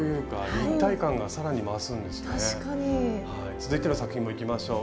続いての作品もいきましょう。